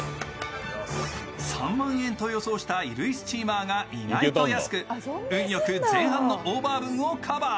３万円と予想した衣類スチーマーが意外と安く運よく前半のオーバー分をカバー。